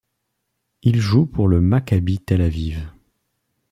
Il joue pour le Maccabi Tel-Aviv.